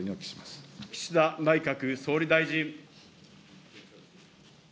岸田内閣総理大臣。